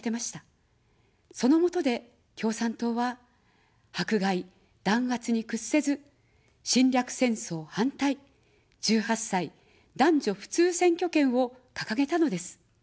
そのもとで、共産党は迫害、弾圧に屈せず、「侵略戦争反対」、「１８歳男女普通選挙権」をかかげたのです。